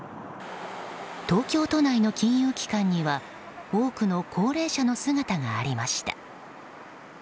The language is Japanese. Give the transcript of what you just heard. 東京都内の金融機関には多くの高齢者の姿がありました。